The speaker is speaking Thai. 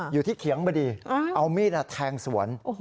อยู่ที่เขียงบดีเอามีดแทงสวน